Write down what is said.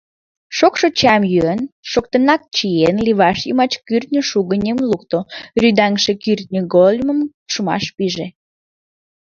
Шокшо чайым йӱын, шоктынак чиен, леваш йымач кӱртньӧ шугыньым лукто, рӱдаҥше кӱртньыгольмым шумаш пиже.